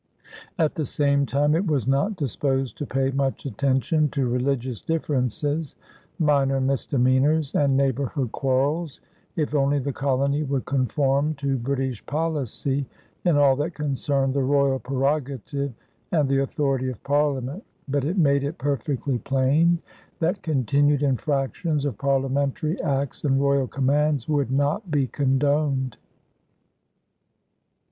At the same time it was not disposed to pay much attention to religious differences, minor misdemeanors, and neighborhood quarrels, if only the colony would conform to British policy in all that concerned the royal prerogative and the authority of Parliament; but it made it perfectly plain that continued infractions of parliamentary acts and royal commands would not be condoned.